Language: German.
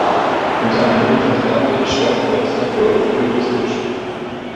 Unter anderem vertrat er die Stadt Webster Grove juristisch.